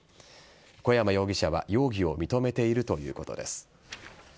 小山容疑者は容疑を認めているということです。